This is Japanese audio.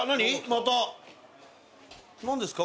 また何ですか？